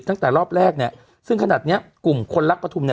ตั้งแต่รอบแรกเนี้ยซึ่งขนาดเนี้ยกลุ่มคนรักปฐุมเนี้ย